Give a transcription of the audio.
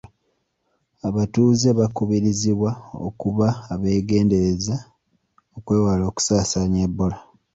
Abtuuze bakubirizibwa akuba abeegerndereza okwewala okusaasaanya Ebola.